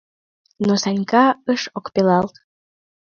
Но Санька ыш ӧпкелалт.